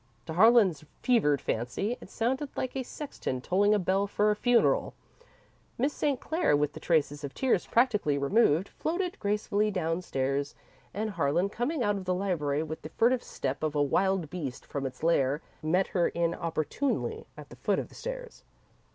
To Harlan's fevered fancy, it sounded like a sexton tolling a bell for a funeral. Miss St. Clair, with the traces of tears practically removed, floated gracefully downstairs, and Harlan, coming out of the library with the furtive step of a wild beast from its lair, met her inopportunely at the foot of the stairs.